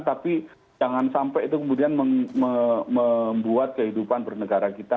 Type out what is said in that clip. tapi jangan sampai itu kemudian membuat kehidupan bernegara kita